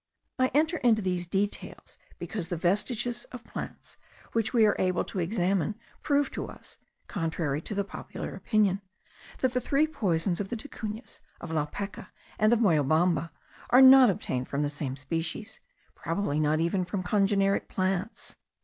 I enter into these details because the vestiges of plants which we were able to examine, proved to us (contrary to the common opinion) that the three poisons of the Ticunas, of La Peca, and of Moyobamba are not obtained from the same species, probably not even from congeneric plants.